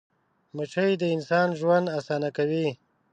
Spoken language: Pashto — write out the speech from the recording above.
مچمچۍ د انسان ژوند اسانه کوي